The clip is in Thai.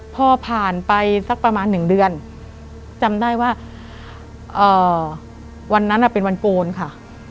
พอผ่านไปสักประมาณ๑เดือนจำได้ว่าวันนั้นเป็นวันโกนค่ะ